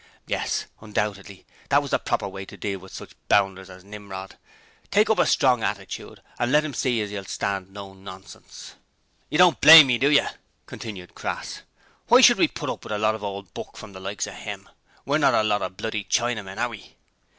Yes, undoubtedly, that was the proper way to deal with such bounders as Nimrod; take up a strong attitude, an' let 'em see as you'll stand no nonsense! 'Yer don't blame me, do yer?' continued Crass. 'Why should we put up with a lot of old buck from the likes of 'im! We're not a lot of bloody Chinamen, are we?'